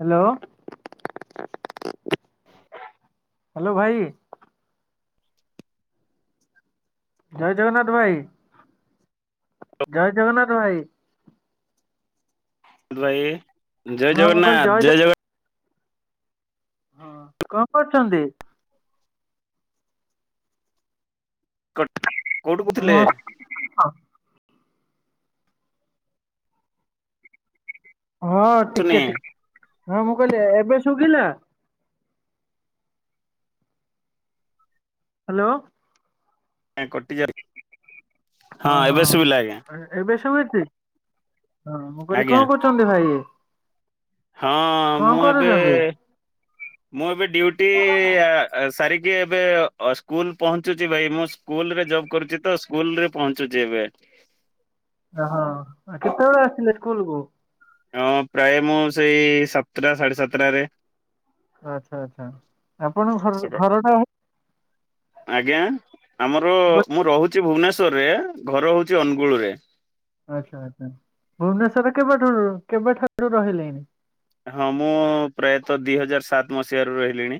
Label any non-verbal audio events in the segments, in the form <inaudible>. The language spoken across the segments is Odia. ହାଲୋ। ହାଲୋ ଭାଇ। ଜୟ ଜଗନ୍ନାଥ ଭାଇ ଜୟ ଜଗନ୍ନାଥ ଭାଇ। କୁହନ୍ତୁ ଭାଇ ଜୟ ହଁ ମୁଁ କହିଲି ଜଗନ୍ନାଥ ଜୟ ଜଗ ହଁ କଣ କରୁଛନ୍ତି? କ କୋଉଠୁ ହଁ କହୁଥିଲେ? ହଁ ଶୁନି ଟିକେ ଟି ହଁ ମୁଁ କହିଲି ଏ-ଏବେ ଶୁଭିଲା। ହାଲୋ। କଟି ଯାଉ ହଁ ଓହୋ ଏବେ ଶୁଭିଲା ଆଜ୍ଞା ଏ-ଏବେ ଶୁଭି ହୁଁ ହଁ ମୁଁ କହିଲି ଆଜ୍ଞା କଣ କରୁଛନ୍ତି ଭାଇ? ହଁ କଣ ମୁଁ ଏବେ କରୁଛନ୍ତି? ମୁଁ ଏବେ ଡ୍ୟୁଟି ଆ ଆ ସାରି ଇ ଏବେ ଅ ଏବେ ସ୍କୁଲ ପହଞ୍ଚୁଛି ଭାଇ ମୁଁ ସ୍କୁଲ ରେ ଜବ କରୁଛି ତ ସ୍କୁଲ ରେ ପହଞ୍ଚୁଛି ଏବେ। ଓହୋ ଆ କେତେବେଳେ ଆସିଲେ ସ୍କୁଲକୁୁ? ହଁ ପ୍ରାୟ ମୁଁ ସେଇ ସାତଟା ସାଢେ ସାତଟାରେ। ଆଚ୍ଛା ଆଚ୍ଛା ଆପଣଙ୍କ ଘର ଘରଟା। ଆଜ୍ଞା ଆମର ମୁଁ ରହୁଛି ଭୁବନଶ୍ୱ ରରେ ଘର ହଉଛି ଅନୁଗୁଳ ରେ। ଆଚ୍ଛା ଆଚ୍ଛା ଭୁବନେଶ୍ୱରରେ କେବେଠାରୁ କେବେଠାରୁ ରହିଲେଣିି? ହଁ ମୁଁ ପ୍ରାୟତ ଦି ହଜାର ସାତ ମସିହାରୁ ରହିଲିଣି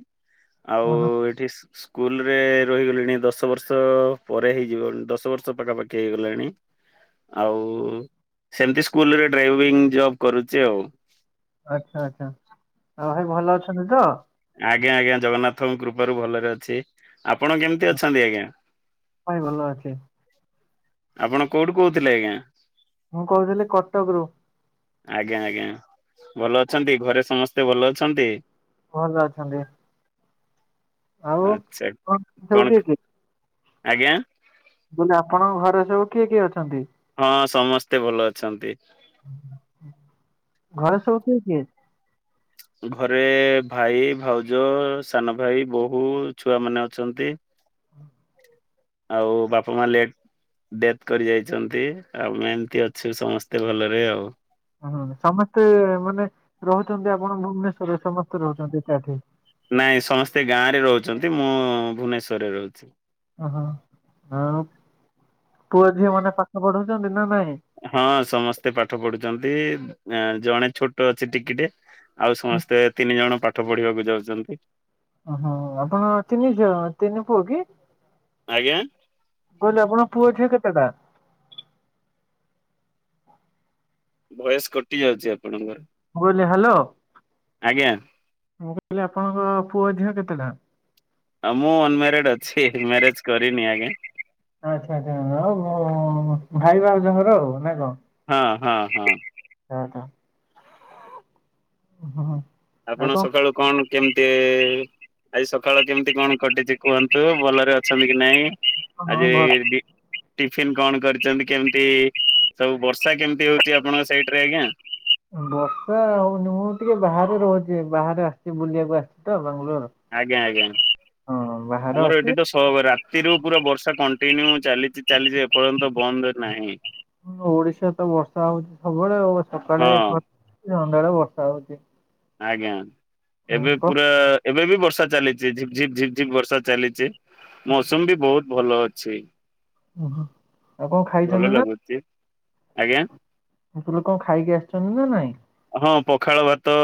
ଆଉ ଓହୋ ଏଠି ସ୍କୁଲ ରେ ରହିଗଲିଣି ଦଶ ବର୍ଷ ପରେ ହେଇଯିବ ଦଶ ବର୍ଷ ପାଖାପାଖି ହେଇଗଲାଣି। ଆଉ ସେମିତି ସ୍କୁଲରେ ଡ୍ରାଇଭିଙ୍ଗ ଜବ କରୁଛି ଆଉ। ଆଚ୍ଛା ଆଚ୍ଛା ଆଉ ଭାଇ ଭଲ ଅଛନ୍ତି ତ? ଆଜ୍ଞା ଆଜ୍ଞା ଜଗନ୍ନାଥଙ୍କ କୃପାରୁୁ ଭଲରେ ଅଛି। ଆପଣ କେମିତି ଅଛନ୍ତି ଆଜ୍ଞା? ପାଇଁ ଭଲ ଅଛି ଆପଣ କୋଉଠୁ କହୁଥିଲେ ଆଜ୍ଞା? ମୁଁ କହୁଥିଲି କଟକରୁ। ଆଜ୍ଞା ଆଜ୍ଞା ଭଲ ଅଛନ୍ତି ଘରେ ସମସ୍ତେ ଭଲ ଅଛନ୍ତି? ଭଲ ଅଛନ୍ତି। ଆଉ ଆଚ୍ଛା ଆପଣ ସବୁ କଣ ଆଜ୍ଞା। ମୁଁ କହିଲି ଆପଣଙ୍କ ଘରେ ସବୁ କିଏ କିଏ ଅଛନ୍ତି? ହଁ ସମସ୍ତେ ଭଲ ଅଛନ୍ତି। ଘରେ ସବୁ କିଏ କିଏ? ଘରେ ଭାଇ, ଭାଉଜ, ସାନ ଭାଇ, ବୋହୂ, ଛୁଆ ମାନେ ଅଛନ୍ତି। ହୁଁ ଆଉ ବାପା, ମା ଲେ ଡେଥ କରି ଯାଇଛନ୍ତି ଆମେ ଏମିତି ଅଛୁ ସମସ୍ତେ ଭଲରେ ଆଉ। ହୁଁ ସମସ୍ତେ ମାନେ ରହୁଛନ୍ତି ଆପଣ ଭୁବନେଶ୍ଵରରେ ସମସ୍ତେ ରହୁଛନ୍ତି ଏକାଠି। ନାଇଁ ସମସ୍ତେ ଗାଁ ରେ ରହୁଛନ୍ତି ମୁଁ ଭୁବନେଶ୍ଵରରେ ରହୁଛି। ଓହୋ ଆ ପୁଅ ଝିଅ ମାନେ ପାଠ ପଢୁଛନ୍ତି ନା ନାଇଁ। ହଁ ସମସ୍ତେ ପାଠ ପଢୁଛନ୍ତି। ଜଣେ ଛୋଟ ଅଛି ଟିକିଟେ। ଆଉ ସମସ୍ତେ ତିନି ଜଣ ପାଠ ପଢିବାକୁ ଯାଉଛନ୍ତି। ଓ ହୋ ଆପଣ ତିନି ଝିଅ ତିନି ପୁଅ କି? ଆଜ୍ଞା। କହିଲେ ଆପଣଙ୍କ ପୁଅ ଝିଅ କେତେଟା? ଭଏସ୍ କଟି ଯାଉଛି। ଆପଣଙ୍କର ମୁଁ କହିଲି ହ୍ୟାଲୋ। ଆଜ୍ଞା। ଆପଣଙ୍କ ପୁଅ ଝିଅ କେତେ ଟା? ଆ ମୁଁ ଅନ୍ ମ୍ୟାରେଡ୍ ଅଛି। ମ୍ୟାରେଜ୍ କରିନି ଆଜ୍ଞା। ଆଚ୍ଛା ଆଚ୍ଛା ଆଉ ଭାଇ ଭାଉଜଙ୍କର ନା କଣ। ହଁ ହଁ ହଁ। ଓ ହୋ। ହଁ। ଆଉ ଆପଣ ସକାଳୁ କଣ କେମିତି ଆଜି ସକାଳ କେମିତି କଣ କଟିଛି କୁହନ୍ତୁ? ଭଲରେ ଅଛନ୍ତି କି ନାଇଁ? କଣ ହଁ ଆଜି ଭଲ ଏଇଡି ଟିଫିନ୍ କଣ କରିଛନ୍ତି କେମିତି? ସବୁ ବର୍ଷା କେମିତି ହଉଛି ଆପଣଙ୍କ ସାଇଡରେ ଆଜ୍ଞା? ବର୍ଷା ହଉନି। ମୁଁ ଟିକେ ବାହାରେ ରହୁଛି। ବାହାରେ ଆସିଛି ବୁଲିବାକୁ ଆସିଛି ତ। ବାଙ୍ଗାଲୋର। ଆଜ୍ଞା ଆଜ୍ଞା ହଁ ବାହାରେ ଆମର ଅଛି ଏଠି ତ ସହବ ରା ରାତିରୁ ପୁରା ବର୍ଷା କଣ୍ଟିନ୍ୟୁ ଚାଲିଚି ଚାଲିଚି ଏପର୍ଯ୍ୟନ୍ତ ବନ୍ଦ ନାହିଁ। ହଁ ଓଡିଶା ତ ବର୍ଷା ହଉଛି। ସବୁବେଳେ ସକାଳେ ହଁ ଖ ସନ୍ଧ୍ୟା ବେଳେ ବର୍ଷା ହଉଛି। ଆଜ୍ଞା ଏବେ କଣ ପୁରା ଏବେ ବି ବର୍ଷା ଚାଲିଛି। ଝିପ୍ ଝିପ୍ ଝିପ୍ ଝିପ୍ ବର୍ଷା ଚାଲିଛି। ମୌସୁମ୍ ବି ବହୁତ ଭଲ ଅଛି। ଓହୋ ଆଉ କଣ ଭଲ ଖାଇଛନ୍ତି ନା ଲାଗୁଛି ଆଜ୍ଞା। ଆପଣ କଣ ଖାଇକି ଆସିଛନ୍ତି ନା ନାଇଁ। ହଁ ପଖାଳ ଭାତ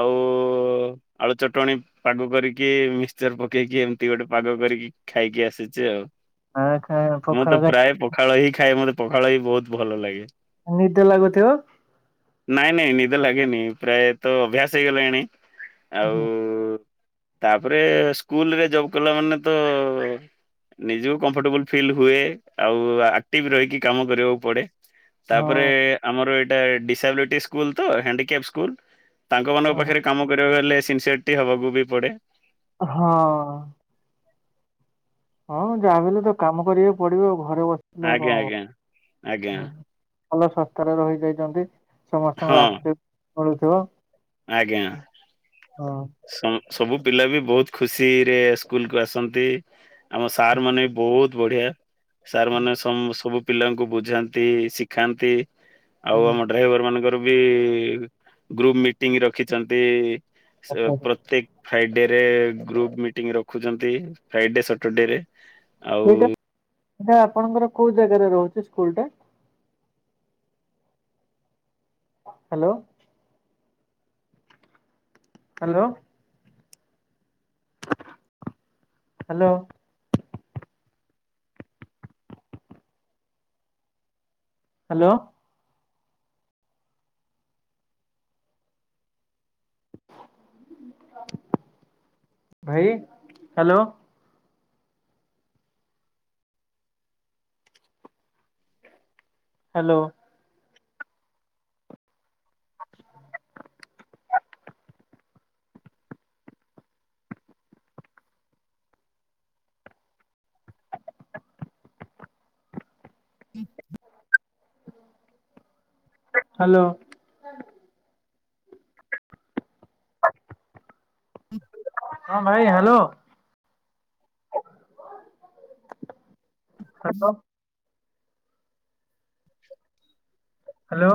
ଆଉ <inaudible> ଆଳୁ ଚଟଣି ପାଗ କରିକି ମିକ୍ସଚର ପକେଇକି ଏମିତି ଗୋଟେ ପାଗ କରିକି ଖାଇକି ଆସିଛି ଆଉ। ଆ ଖା- ମୁଁ ପଖାଳ ତ ପ୍ରାୟ ପଖାଳ ହି ଖାଏ। ମତେ ପଖାଳ ହି ବହୁତ ଭଲ ଲାଗେ। ନିଦ ଲାଗୁଥିବ। ନାଇଁ ନାଇଁ ନିଦ ଲାଗେନି। ପ୍ରାୟେ ତ ଅଭ୍ୟାସ ହେଇଗଲାଣି। ଆଉ ତାପରେ ସ୍କୁଲ ରେ ଜବ୍ କଲା ମାନେ ତ ନିଜ କମ୍ଫର୍ଟେବୁଲ ଫିଲ୍ ହୁଏ। ଆଉ ଆକ୍ଟିଭ୍ ରହିକି କାମ କରିବାକୁ ପଡେ। ତାପରେ ହଁ ଆମର ଏଇଟା ଡିସାବିଲଟି ସ୍କୁଲ ତ ହ୍ୟାଣ୍ଡିକ୍ୟାପ ସ୍କୁଲ। ତାଙ୍କ ମାନଙ୍କ ହଁ ପାଖରେ କାମ କରିବାକୁ ହେଲେ ସିନସିୟରଟି ହବାକୁ ବି ପଡେ। ହଁ। ହଁ ଯାହା ବି ହେଲେ ତ କାମ କରିବାକୁ ପଡିବ ଆଉ। ଘରେ ବସିଥିଲେ ଆଜ୍ଞା କଣ ଆଜ୍ଞା। ଆଜ୍ଞା ହବ। ଭଲ ଶସ୍ଥାରେ ରହିଯାଇଛନ୍ତି। ହଁ ସମସ୍ତଙ୍କ ଆଶ୍ରିବାଦ ମିଳୁଥିବ। ଆଜ୍ଞା। ହଁ। ସଁ ସବୁ ପିଲା ବି ବହୁତ ଖୁସି ରେ ସ୍କୁଲ କୁ ଆସନ୍ତି। ଆମ ସାର୍ ମାନେ ବି ବହୁତ ବଢିଆ। ସାର୍ ମାନେ ସବୁ ପିଲାଙ୍କୁ ବୁଝାନ୍ତି ଶିଖାନ୍ତି। ଆଉ ହୁଁ ଆମ ଡ୍ରାଇଭର ମାନଙ୍କର ବି ଗ୍ରୁପ ମିଟିଂ ରଖିଛନ୍ତି। ଆଚ୍ଛା ଆଚ୍ଛା। ପ୍ରତ୍ୟେକ ଫ୍ରାଇଡେରେ ଗ୍ରୁପ୍ ମିଟିଂ ରଖୁଛନ୍ତି। ଫ୍ରାଇଡେ ସଟର ଡେରେ। ଆଉ ଏଟା ଆପଣଙ୍କର କୋଉ ଜାଗାରେ ରହୁଛି ସ୍କୁଲ ଟା। ହ୍ୟାଲୋ। ହ୍ୟାଲୋ। ହ୍ୟାଲୋ। ହ୍ୟାଲୋ। ଭାଇ ହ୍ୟାଲୋ। ହ୍ୟାଲୋ। ହ ହ ହ୍ୟାଲୋ। <unintelligible> ହୁଁ। ହଁ ଭାଇ ହ୍ୟାଲୋ। ହୁଁ ହ୍ୟାଲୋ ହ୍ୟାଲୋ।